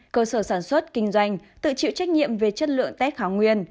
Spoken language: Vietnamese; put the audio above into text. cơ sở sản xuất kinh doanh tự chịu trách nhiệm về chất lượng test kháng nguyên